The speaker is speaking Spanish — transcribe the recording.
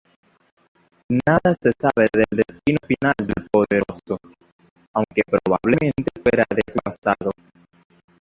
Nada se sabe del destino final del "Poderoso", aunque probablemente fuera desguazado.